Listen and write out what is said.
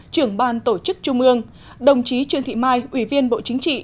trưởng ban tổ chức trung ương đồng chí trương thị mai ủy viên bộ chính trị